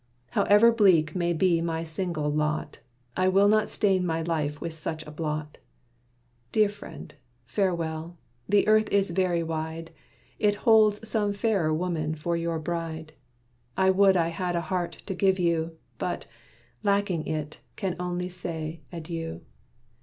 However bleak may be my single lot, I will not stain my life with such a blot. Dear friend, farewell! the earth is very wide; It holds some fairer woman for your bride; I would I had a heart to give to you, But, lacking it, can only say adieu!"